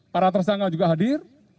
para tersangka juga hadir